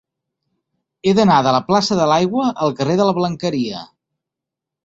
He d'anar de la plaça de l'Aigua al carrer de la Blanqueria.